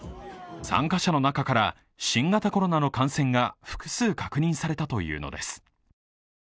参加者の中から新型コロナの感染が複数確認されたというのです。